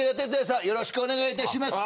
よろしくお願いします。